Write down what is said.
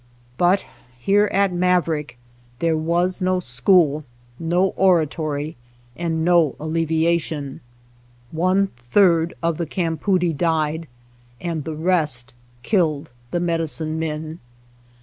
But here at Maverick there was no school, no oratory, and no alleviation. One third of the campoodie died, and the rest killed the medicine men.